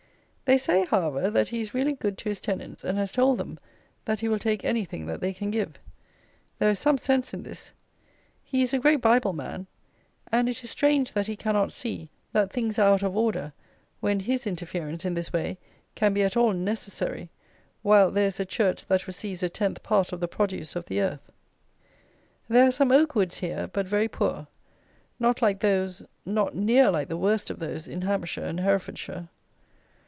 They say, however, that he is really good to his tenants, and has told them, that he will take anything that they can give. There is some sense in this! He is a great Bible Man; and it is strange that he cannot see, that things are out of order, when his interference in this way can be at all necessary, while there is a Church that receives a tenth part of the produce of the earth. There are some oak woods here, but very poor. Not like those, not near like the worst of those, in Hampshire and Herefordshire.